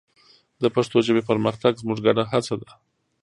د پښتو ژبې پرمختګ زموږ ګډه هڅه ده.